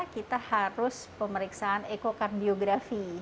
kita harus pemeriksaan ekokardiografi